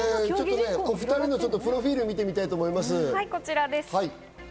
お２人のプロフィールを見てみたいと思います。